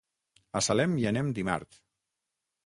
A Salem hi anem dimarts.